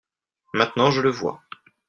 Maintenant je le vois.